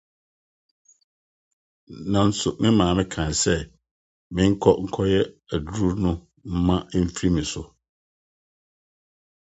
Nanso, Maame kae sɛ menkɔ nkɔyɛ aduru no mma emfi me so.